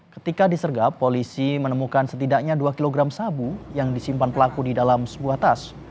ketika disergap polisi menemukan setidaknya dua kg sabu yang disimpan pelaku di dalam sebuah tas